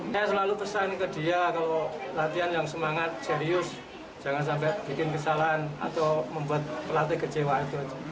saya selalu pesan ke dia kalau latihan yang semangat serius jangan sampai bikin kesalahan atau membuat pelatih kecewa itu aja